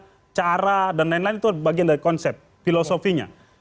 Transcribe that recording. tidak pendekatan kan konsep itu pendekatan cara dan lain lain itu bagian dari konsep filosofinya